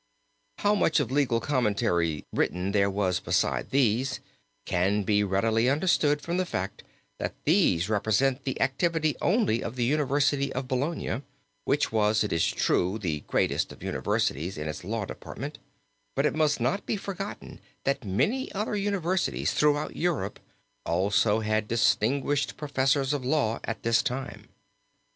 How much of legal commentary writing there was besides these, can be readily understood from the fact that these represent the activity only of the University of Bologna which was, it is true, the greatest of universities in its law department, but it must not be forgotten that many other universities throughout Europe also had distinguished professors of law at this time.